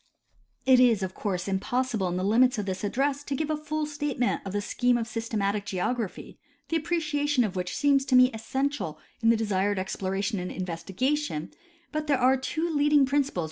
It is of course impossible in the limits of this address to give a full statement of the scheme of systematic geography, the ap preciation of which seems to me essential in the desired explora tion and investigation; but there are two leading principles The Cycle of geograjjJiic Development.